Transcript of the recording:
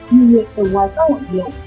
nguyên liệu từ ngoài xã hội nhiều